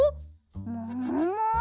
ももも？